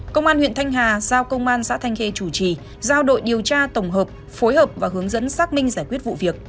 công an huyện thanh hà giao công an xã thanh khê chủ trì giao đội điều tra tổng hợp phối hợp và hướng dẫn xác minh giải quyết vụ việc